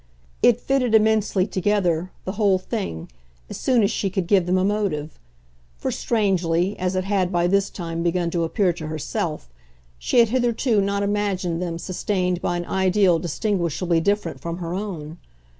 It fitted immensely together, the whole thing, as soon as she could give them a motive; for, strangely as it had by this time begun to appear to herself, she had hitherto not imagined them sustained by an ideal distinguishably different from her own.